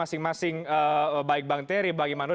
jadi saya ingin semua semuanya